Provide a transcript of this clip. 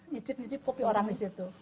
nyicip nyicip kopi orang disitu